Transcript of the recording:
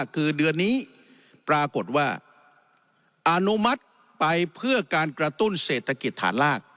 คือเดือนนี้ปรากฏว่าอนุมัติไปเพื่อการกระตุ้นเศรษฐกิจฐานราก